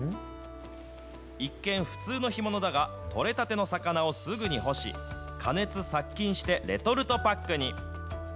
一見、普通の干物だが、取れたての魚をすぐに干し、加熱殺菌してレトルトパックに。